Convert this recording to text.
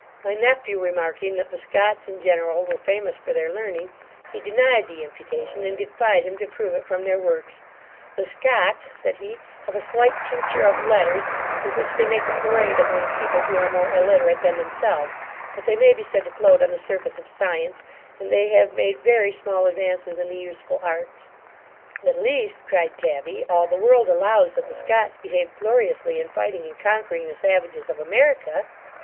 My nephew remarking that the Scots in general were famous for their learning, he denied the imputation, and defied him to prove it from their works 'The Scots (said he) have a slight tincture of letters, with which they make a parade among people who are more illiterate than themselves; but they may be said to float on the surface of science, and they have made very small advances in the useful arts.' 'At least (cried Tabby), all the world allows that the Scots behaved gloriously in fighting and conquering the savages of America.